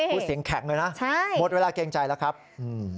พูดเสียงแข็งเลยนะใช่หมดเวลาเกรงใจแล้วครับอืม